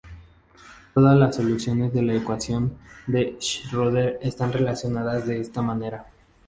Todas las soluciones de la ecuación de Schröder están relacionadas de esta manera.